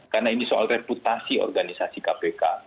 karena ini soal reputasi organisasi kpk